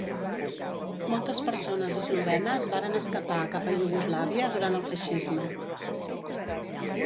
Moltes persones eslovenes varen escapar cap a Iugoslàvia durant el feixisme.